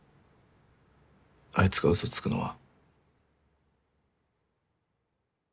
あいつがうそつくのは。